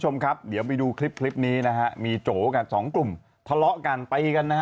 ชมครับเดี๋ยวไปดูคลิปคลิปนี้นะครับมีโดรกันสองกลุ่มทะเลาะกันไปให้กันนะ